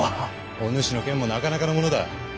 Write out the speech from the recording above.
お主の剣もなかなかのものだ。